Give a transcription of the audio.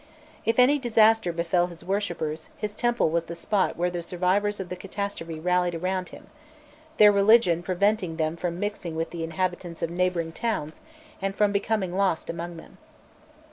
If any disaster befell his worshippers, his temple was the spot where the survivors of the catastrophe rallied around him, their religion preventing them from mixing with the inhabitants of neighbouring towns and from becoming lost among them.